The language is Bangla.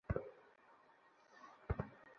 তাকে রক্ত দিলে মন্দ হয়না।